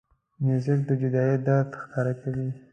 موزیک د جدایۍ درد ښکاره کوي.